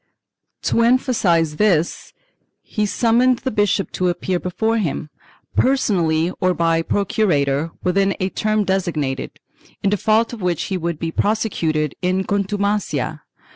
To emphasize this he summoned the bishop to appear before him, personally or by procurator, within a term designated, in default of which he would be prose cuted in contumacia.